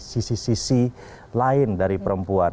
sisi sisi lain dari perempuan